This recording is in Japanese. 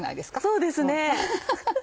そうですね。